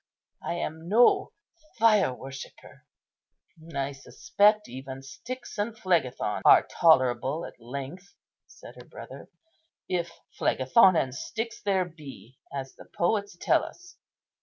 I am no fire worshipper." "I suspect even Styx and Phlegethon are tolerable, at length," said her brother, "if Phlegethon and Styx there be, as the poets tell us."